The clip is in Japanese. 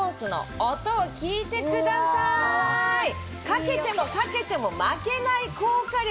かけてもかけても負けない高火力